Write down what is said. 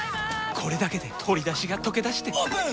これだけで鶏だしがとけだしてオープン！